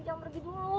jangan pergi dulu